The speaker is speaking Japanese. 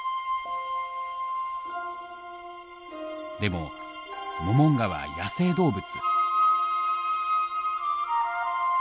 でもモモンガは野生動物。